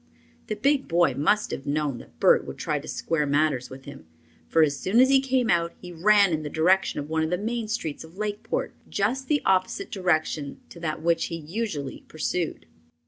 The big boy must have known that Bert would try to square matters with him, for as soon as he came out he ran in the direction of one of the main streets of Lakeport, just the opposite direction to that which he usually pursued.